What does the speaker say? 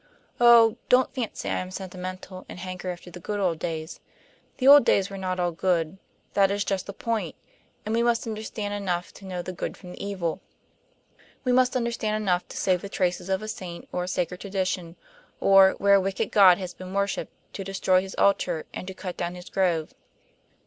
Oh, don't fancy I am sentimental and hanker after the good old days. The old days were not all good; that is just the point, and we must understand enough to know the good from the evil. We must understand enough to save the traces of a saint or a sacred tradition, or, where a wicked god has been worshiped, to destroy his altar and to cut down his grove."